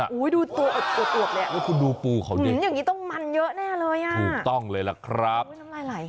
อุ้ยดูตัวตัวตรวบเลยอย่างนี้ต้องมันเยอะแน่เลย